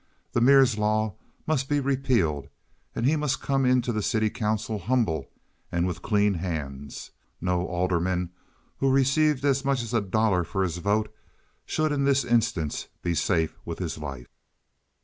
The Mears law must be repealed, and he must come into the city council humble and with clean hands. No alderman who received as much as a dollar for his vote should in this instance be safe with his life.